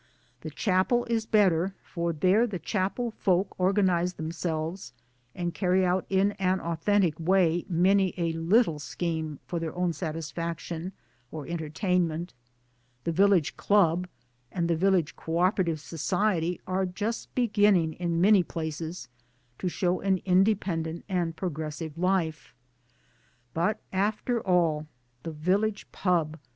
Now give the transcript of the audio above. The Chapel is better, for there the Chapel folk organize themselves and carry out in an authentic way many a little scheme for their own satisfaction or entertainment. The Village Club and the Village Co operative society are just beginning in many places to show an independent and progressive life ; but after all thie Village Pub.